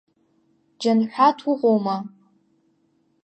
Џьанҳәаҭ уҟоума?